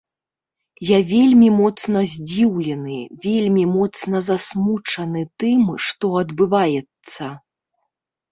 Я вельмі моцна здзіўлены, вельмі моцна засмучаны тым, што адбываецца.